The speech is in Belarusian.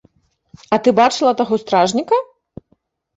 А ты бачыла таго стражніка?